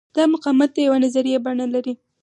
دا مقاومت د یوې نظریې بڼه لري.